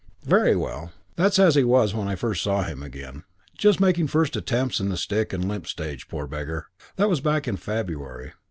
"Very well. That's as he was when I first saw him again. Just making first attempts in the stick and limp stage, poor beggar. That was back in February.